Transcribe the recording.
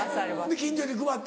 近所に配ったり。